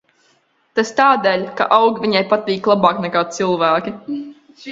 Tas tādēļ, ka augi viņai patīk labāk nekā cilvēki.